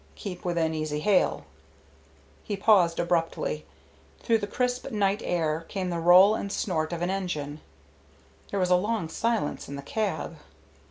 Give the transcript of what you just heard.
Keep within easy hail " He paused abruptly. Through the crisp night air came the roll and snort of an engine. There was a long silence in the cab.